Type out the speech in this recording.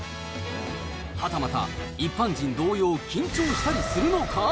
はたまた、一般人同様、緊張したりするのか？